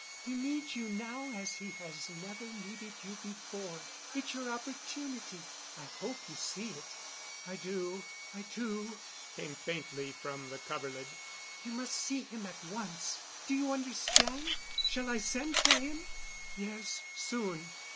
He needs you now as he has never needed you before. It's your opportunity. I hope you see it." "I do, I do," came faintly from the coverlid. "You must see him at once. Do you understand? Shall I send for him?" "Yes, soon."